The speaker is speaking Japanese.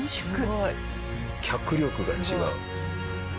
脚力が違う。